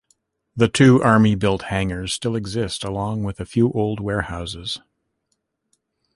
The two Army built hangars still exist along with a few old warehouses.